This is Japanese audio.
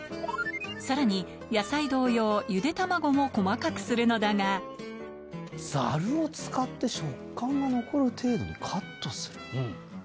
さらに野菜同様ゆで卵も細かくするのだが「ざるを使って食感が残る程度にカットする」？